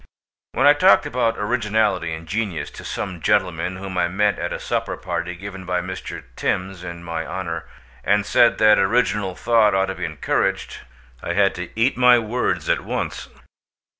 When I talked about originality and genius to some gentlemen whom I met at a supper party given by Mr. Thims in my honour, and said that original thought ought to be encouraged, I had to eat my words at once.